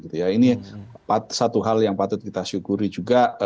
ini satu hal yang patut kita syukuri juga